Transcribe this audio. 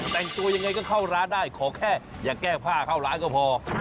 แต่งตัวยังไงก็เข้าร้านได้ขอแค่อย่าแก้ผ้าเข้าร้านก็พอ